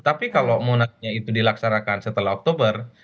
tapi kalau munasnya itu dilaksanakan setelah oktober